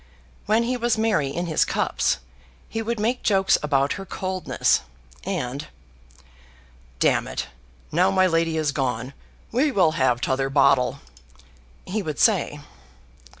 When he was merry in his cups, he would make jokes about her coldness, and, "D it, now my lady is gone, we will have t'other bottle," he would say.